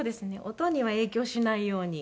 音には影響しないようにはい。